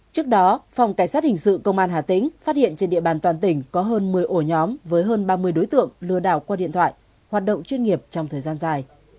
trước đó phòng cảnh sát hình sự công an hà tĩnh phát hiện trên địa bàn toàn tỉnh có hơn một mươi ổ nhóm với hơn ba mươi đối tượng lừa đảo qua điện thoại hoạt động chuyên nghiệp trong thời gian dài